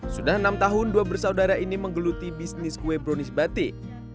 sudah enam tahun dua bersaudara ini menggeluti bisnis kue brownies batik